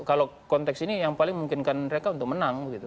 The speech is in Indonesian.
kalau konteks ini yang paling memungkinkan mereka untuk menang